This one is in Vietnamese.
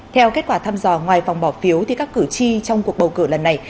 theo kết quả thăm dò ngoài vòng bỏ phiếu thì các cử tri trong cuộc bầu cử lần này